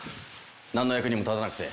なんの役にも立たなくて。